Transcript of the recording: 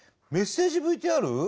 メッセージＶＴＲ？